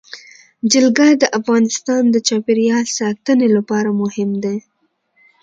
جلګه د افغانستان د چاپیریال ساتنې لپاره مهم دي.